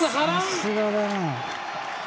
さすがだな。